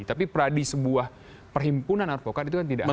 tapi pradi sebuah perhimpunan advokat itu kan tidak ada